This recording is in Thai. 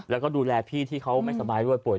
แล้วก็ดูแลพี่ที่เขาไม่สบายด้วยป่วย